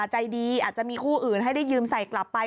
ใจดีอาจจะมีคู่อื่นให้ได้ยืมใส่กลับไป